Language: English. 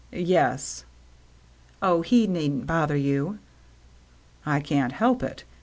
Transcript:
"Yes." " Oh, he needn't bother you." " I can't help it.